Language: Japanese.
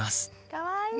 かわいい！